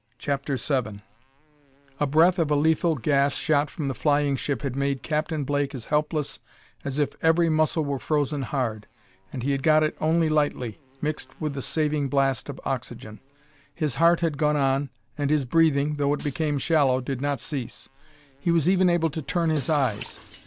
CHAPTER VII A breath of a lethal gas shot from the flying ship had made Captain Blake as helpless as if every muscle were frozen hard, and he had got it only lightly, mixed with the saving blast of oxygen. His heart had gone on, and his breathing, though it became shallow, did not cease; he was even able to turn his eyes.